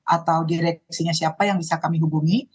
atau direksinya siapa yang bisa kami hubungi